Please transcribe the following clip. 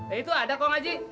eh itu ada kong aji